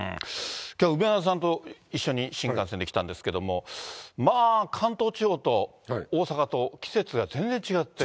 きょう、梅沢さんと一緒に新幹線で来たんですけれども、まあ、関東地方と大阪と季節が全然違って。